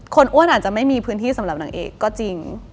อ้วนอาจจะไม่มีพื้นที่สำหรับนางเอกก็จริง